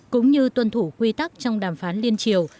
cũng như tuân thủ quy tắc trong đàm phán liên triều